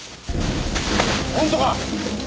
本当か！？